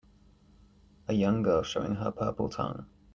A young girl showing her purple tongue